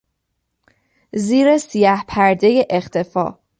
زیر سیه پردهی اختفا